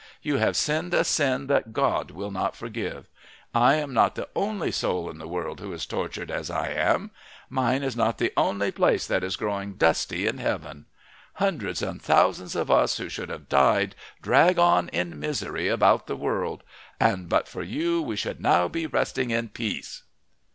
You have sinned a sin that God will not forgive. I am not the only soul in the world who is tortured as I am. Mine is not the only place that is growing dusty in heaven. Hundreds and thousands of us who should have died drag on in misery about the world. And but for you we should now be resting in peace."